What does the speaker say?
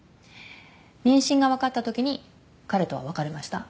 妊娠がわかったときに彼とは別れました